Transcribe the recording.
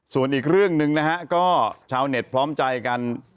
ส่วนอีกเรื่องหนึ่งนะฮะก็ชาวเน็ตพร้อมใจกัน